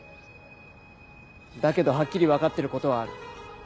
だけどはっきり分かってることはある。